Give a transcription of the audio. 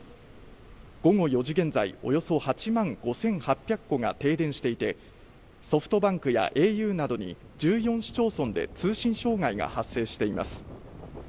午後４時現在およそ８万５８００戸が停電していて、ソフトバンクやａｕなどに１４市町村で通信障害が発生しています。